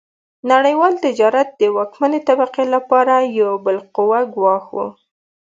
نړیوال تجارت د واکمنې طبقې لپاره یو بالقوه ګواښ و.